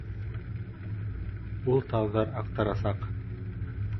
Ул тауҙар аҡтарасаҡ.